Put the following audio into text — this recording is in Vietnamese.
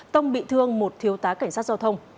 tông bị thương một thiếu tá cảnh sát giao thông